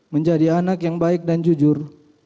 menjadi anak yang baik dan jujur